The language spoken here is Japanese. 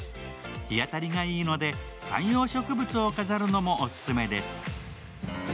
日当たりがいいので観葉植物を飾るのもオススメです。